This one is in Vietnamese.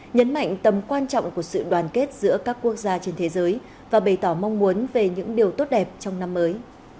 nhấn mạnh tầm quan trọng của sự đoàn kết giữa các quốc gia trên thế giới và bày tỏ mong muốn về những điều tốt đẹp trong năm mới